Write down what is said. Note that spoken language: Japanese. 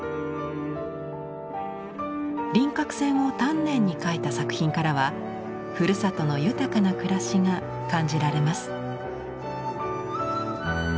輪郭線を丹念に描いた作品からはふるさとの豊かな暮らしが感じられます。